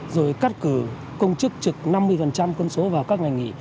rồi cắt cử công chức trực năm mươi quân số vào các ngành nghỉ